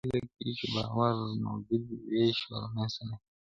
په پایله کې چې باور موجود وي، وېش به رامنځته نه شي.